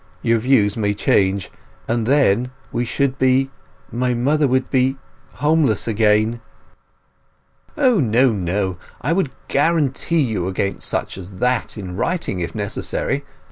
Your views may change—and then—we should be—my mother would be—homeless again." "O no—no. I would guarantee you against such as that in writing, if necessary.